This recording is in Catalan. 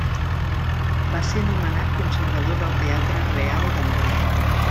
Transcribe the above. Va ser nomenat conservador del Teatre Real de Madrid.